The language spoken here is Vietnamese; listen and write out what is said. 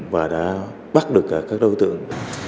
và đã bắt được các đối tượng